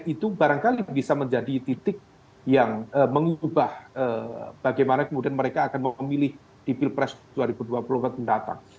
itu barangkali bisa menjadi titik yang mengubah bagaimana kemudian mereka akan memilih di pilpres dua ribu dua puluh empat mendatang